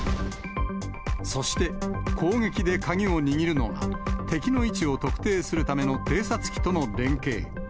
そして、攻撃で鍵を握るのが、敵の位置を特定するための偵察機との連携。